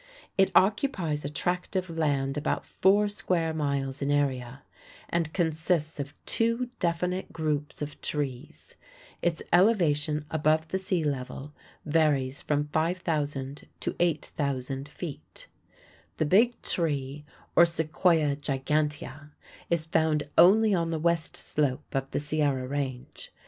It occupies a tract of land about four square miles in area, and consists of two definite groups of trees. Its elevation above the sea level varies from 5,000 to 8,000 feet. The Big Tree, or Sequoia gigantea, is found only on the west slope of the Sierra Range.